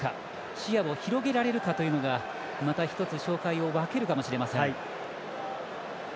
視野を広げられるかというのが勝敗を分けるかもしれません。